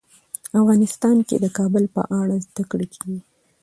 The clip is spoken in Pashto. افغانستان کې د کابل په اړه زده کړه کېږي.